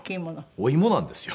お芋なんですよ。